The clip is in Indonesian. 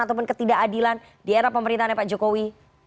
ataupun ketidakadilan di era pemerintahnya pak jokowi